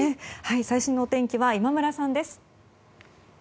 最新のお天気は今村さんです。